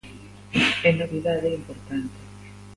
E novidade importante.